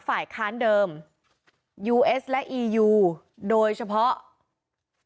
โหวตตามเสียงข้างมาก